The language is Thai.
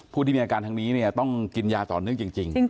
ผู้ที่มีอาการทั้งนี้ต้องกินยาต่อนึงจริง